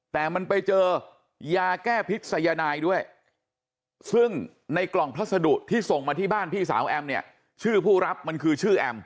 แต่มันไปเจอยาแก้พิษยนายด้วยซึ่งในกล่องพัสดุที่ส่งมาที่บ้านพี่สาวแอมเนี่ยชื่อผู้รับมันคือชื่อแอม